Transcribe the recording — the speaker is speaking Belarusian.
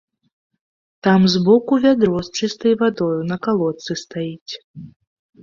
Там збоку вядро з чыстаю вадою на калодцы стаіць.